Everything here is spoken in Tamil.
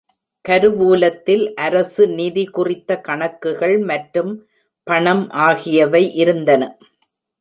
கருவூலத்தில் அரசு நிதி குறித்த கணக்குகள் மற்றும் பணம் ஆகியவை இருந்தன.